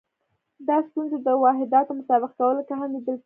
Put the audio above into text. دا ستونزې د واحداتو مطابق کولو کې هم لیدل کېدې.